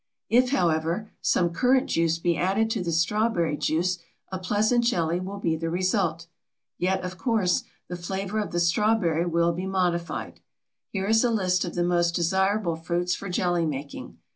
If, however, some currant juice be added to the strawberry juice a pleasant jelly will be the result; yet, of course, the flavor of the strawberry will be modified. Here is a list of the most desirable fruits for jelly making.